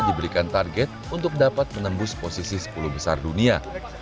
diberikan target untuk dapat menembus posisi sepuluh besar dunia